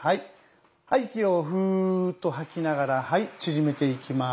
はい息をフーッと吐きながら縮めていきます。